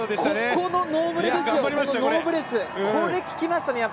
このノーブレスこれが効きましたね。